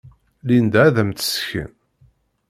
Linda ad am-d-tessken.